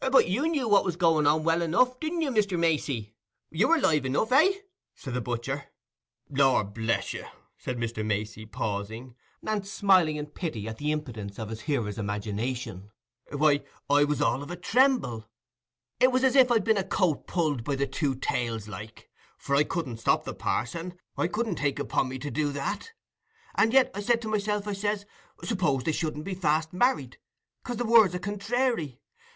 "But you knew what was going on well enough, didn't you, Mr. Macey? You were live enough, eh?" said the butcher. "Lor bless you!" said Mr. Macey, pausing, and smiling in pity at the impotence of his hearer's imagination—"why, I was all of a tremble: it was as if I'd been a coat pulled by the two tails, like; for I couldn't stop the parson, I couldn't take upon me to do that; and yet I said to myself, I says, "Suppose they shouldn't be fast married, 'cause the words are contrairy?"